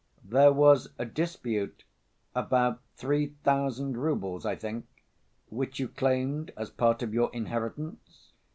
"There was a dispute about three thousand roubles, I think, which you claimed as part of your inheritance?"